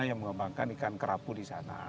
yang mengembangkan ikan kerapu di sana